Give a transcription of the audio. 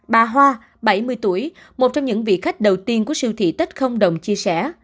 bà hoa bảy mươi tuổi một trong những vị khách đầu tiên của siêu thị tết không đồng chia sẻ